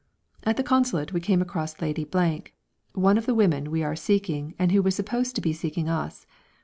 At the Consulate we came across Lady , one of the women we were seeking and who was supposed to be seeking us.